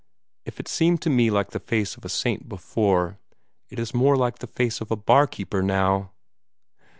If it seemed to me like the face of a saint before, it is more like the face of a bar keeper now!"